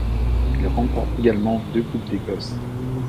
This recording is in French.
Il remporte également deux coupes d'Écosse.